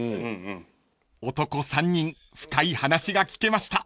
［男３人深い話が聞けました］